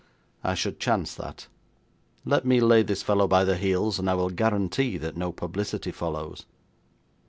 I should chance that. Let me lay this fellow by the heels, and I will guarantee that no publicity follows.'